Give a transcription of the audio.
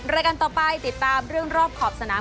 รายการต่อไปติดตามเรื่องรอบขอบสนาม